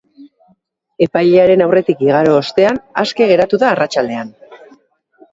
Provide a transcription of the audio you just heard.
Epailearen aurretik igaro ostean, aske geratu da arratsaldean.